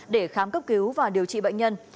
để khám cấp cứu và điều trị bệnh nhân